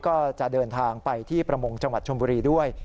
ก็จะเดินทางไปที่ประมงจังหวัดชมบุรีด้วย